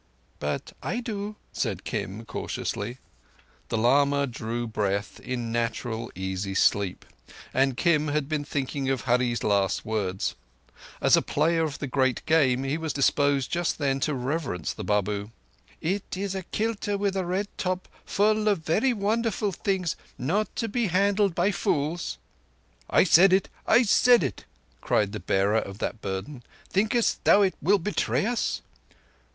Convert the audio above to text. "But I do," said Kim cautiously. The lama drew breath in natural, easy sleep, and Kim had been thinking of Hurree's last words. As a player of the Great Game, he was disposed just then to reverence the Babu. "It is a kilta with a red top full of very wonderful things, not to be handled by fools." "I said it; I said it," cried the bearer of that burden. "Thinkest thou it will betray us?"